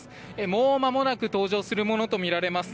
もうまもなく登場するものとみられます。